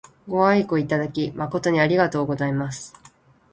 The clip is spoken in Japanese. ご愛顧いただき誠にありがとうございます。